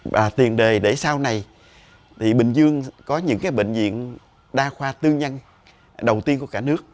và tiền đề để sau này thì bình dương có những cái bệnh viện đa khoa tư nhân đầu tiên của cả nước